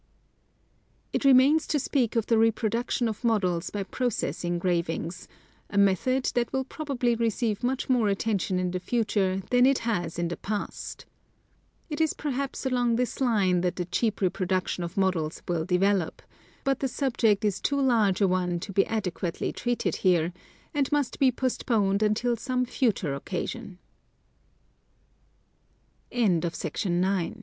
It remains to speak of the reproduction of models by process engravings — a method that will probably receive much more attention in the future than it has in the past. It is perhaps along this line that the cheap reproduction of models will develop ; but the subject is too large a one to be adequately treated here, and must be postponed until some future oc